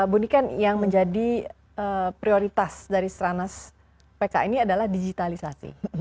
bunyikan yang menjadi prioritas dari serana pk ini adalah digitalisasi